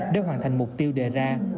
để hoàn thành mục tiêu đề ra